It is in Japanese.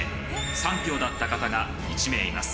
３票だった方が１名います。